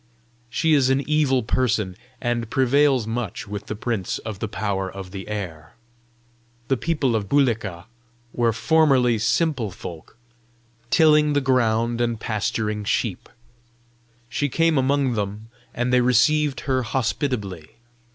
She is an evil person, and prevails much with the Prince of the Power of the Air. The people of Bulika were formerly simple folk, tilling the ground and pasturing sheep. She came among them, and they received her hospitably.